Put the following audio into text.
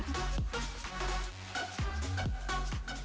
bertahan kita berbeda dengan konsep